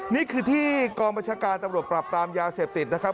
นี่คือที่กองบัญชาการตำรวจปรับปรามยาเสพติดนะครับ